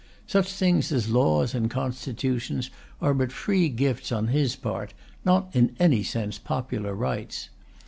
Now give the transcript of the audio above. Such things as laws and constitutions are but free gifts on His part, not in any sense popular rights.